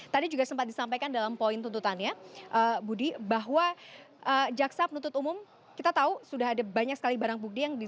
tadi juga sempat disampaikan dalam poin tuntutannya budi bahwa jaksa penuntut umum kita tahu sudah ada banyak sekali barang bukti